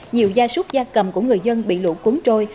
nhiều gia súc gia cầm của người dân bị lũ cuốn trôi